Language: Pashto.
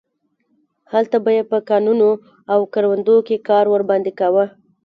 هلته به یې په کانونو او کروندو کې کار ورباندې کاوه.